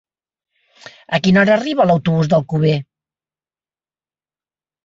A quina hora arriba l'autobús d'Alcover?